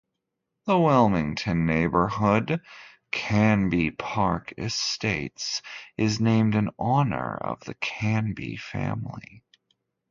The Wilmington neighborhood Canby Park Estates is named in honor of the Canby family.